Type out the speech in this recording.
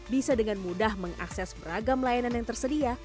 bisa dengan mudah mengakses beragam layanan yang tersedia